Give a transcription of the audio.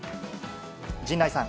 陣内さん。